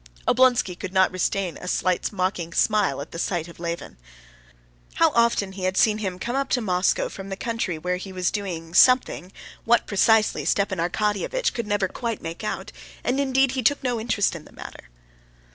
Oblonsky could not restrain a slight mocking smile at the sight of Levin. How often he had seen him come up to Moscow from the country where he was doing something, but what precisely Stepan Arkadyevitch could never quite make out, and indeed he took no interest in the matter.